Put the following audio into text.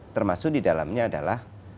termasuk di dalamnya adalah